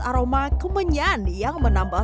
aroma kemenyan yang menambah